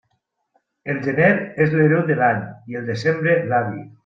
El gener és l'hereu de l'any, i el desembre, l'avi.